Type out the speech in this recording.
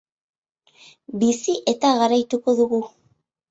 Bizi eta garaituko dugu!